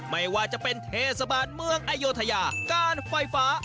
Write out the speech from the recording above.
ไม่ว่าจะเป็นเทศบาลเมืองอโยธยาการไฟฟ้า